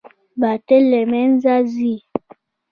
باطل له منځه ځي